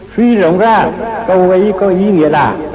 suy rộng ra câu ấy có ý nghĩa là